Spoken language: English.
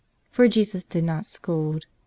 For Jesus did not scold.